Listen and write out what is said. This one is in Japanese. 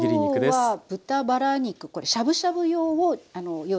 今日は豚バラ肉これしゃぶしゃぶ用を用意しました。